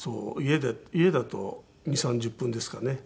家だと２０３０分ですかね。